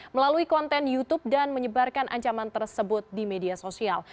melalui konten youtube dan menyebarkan ancaman tersebut di media sosial